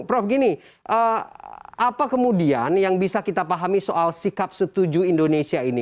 prof gini apa kemudian yang bisa kita pahami soal sikap setuju indonesia ini